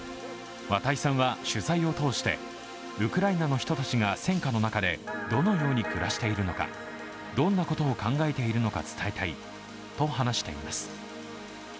綿井さんは取材を通してウクライナの人たちが戦禍の中でどのように暮らしているのか、どんなことを考えているのか伝えたいと話しています。